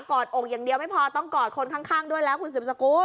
อดอกอย่างเดียวไม่พอต้องกอดคนข้างด้วยแล้วคุณสืบสกุล